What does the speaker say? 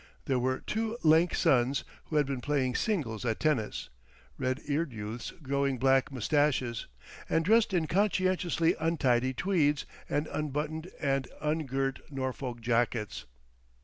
There were two lank sons who had been playing singles at tennis, red eared youths growing black moustaches, and dressed in conscientiously untidy tweeds and unbuttoned and ungirt Norfolk jackets.